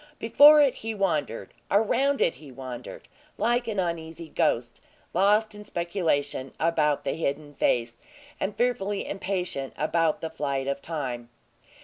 Before it he wandered, around it he wandered, like an uneasy ghost, lost in speculation about the hidden face, and fearfully impatient about the flight of time.